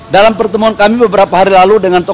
dalam pertemuan kami beberapa hari lalu dengan bapak presiden